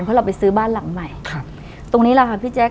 เพราะเราไปซื้อบ้านหลังใหม่ตรงนี้นะคะพี่แจ๊ค